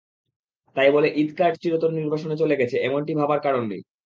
তাই বলে ঈদকার্ড চিরতরে নির্বাসনে চলে গেছে, এমনটি ভাবার কারণ নেই।